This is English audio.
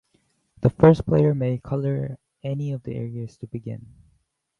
The first player may colour any of the areas to begin.